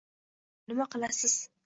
Endi nima qilasiz?